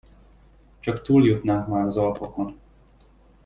Csak túljutnánk már az Alpokon!